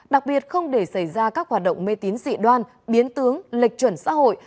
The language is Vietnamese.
đặc biệt không để xảy ra các hoạt động mê tín dị đoan biến tướng lệch chuẩn xã hội